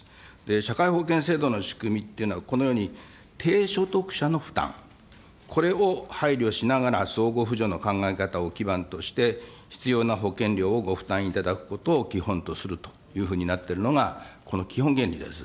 社会保険制度の仕組みっていうのは、このように低所得者の負担、これを配慮しながら、相互扶助の考え方を基盤として必要な保険料をご負担いただくことを基本とするというふうになってるのが、この基本原理です。